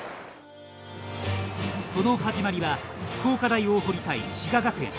その始まりは福岡大大濠対滋賀学園。